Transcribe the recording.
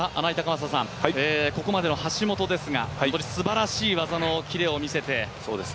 ここまでの橋本ですがすばらしい技のキレを見せて。